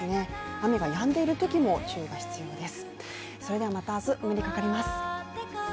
雨がやんでいるときも注意が必要です。